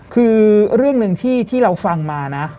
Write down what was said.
คือเรื่องหนึ่งที่เราฟังมานะ